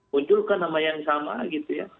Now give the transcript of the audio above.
munculkan nama yang sama gitu ya